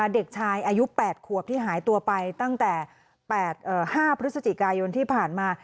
เด็กชายอายุ๘ขวบที่หายตัวไปตั้งแต่๕พฤศจิกายนที่ผ่านมา